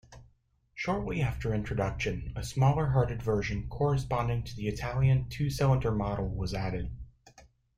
Shortly after introduction, a smaller-hearted version corresponding to the Italian two-cylinder model was added.